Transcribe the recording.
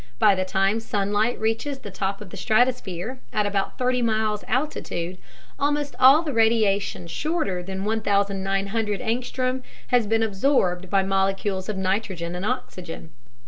By the time sunlight reaches the top of the stratosphere, at about 30 miles altitude, almost all the radiation shorter than 1,900 A has been absorbed by molecules of nitrogen and oxygen.